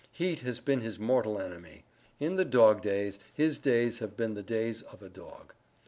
Heat has been his mortal enemy. In the dog days his days have been the days of a dog.